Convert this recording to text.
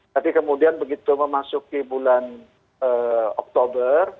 tapi kemudian begitu memasuki bulan oktober